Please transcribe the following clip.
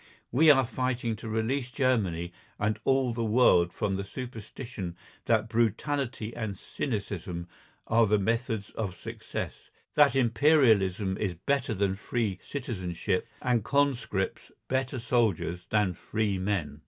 We are fighting to release Germany and all the world from the superstition that brutality and cynicism are the methods of success, that Imperialism is better than free citizenship and conscripts better soldiers than free men.